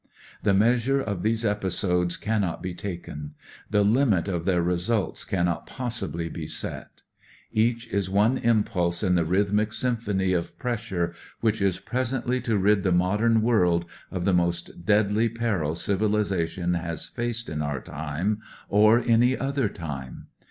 The measure of these episodes cannot be taken. The Umit of their results cannot possibly be set. Each is one impulse in the rhythmic symphony of pressure which is presently to i:^ *he modem world of the most deadly peril civilisation has faced in our time or any other time.